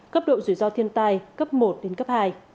cấp độ rủi ro thiên tai cấp một đến cấp hai